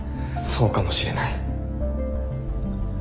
そうかもしれない。